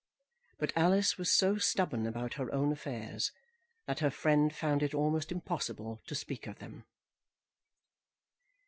But Alice was so stubborn about her own affairs that her friend found it almost impossible to speak of them.